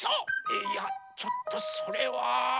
えっいやちょっとそれは。